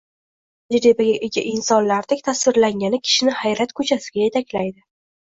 katta hayotiy tajribaga ega insonlardek tasvirlangani kishini hayrat ko‘chasiga yetaklaydi.